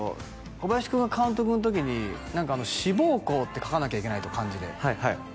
小林君が監督の時に「志望校」って書かなきゃいけないと漢字ではいはい